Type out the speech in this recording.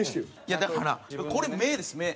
いやだからこれ目です目。